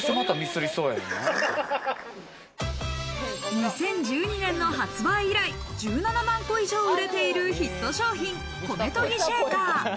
２０１２年の発売以来、１７万個以上売れているヒット商品、米とぎシェーカー。